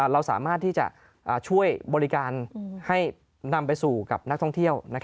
เราสามารถที่จะช่วยบริการให้นำไปสู่กับนักท่องเที่ยว